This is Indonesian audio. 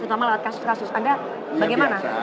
terutama lewat kasus kasus anda bagaimana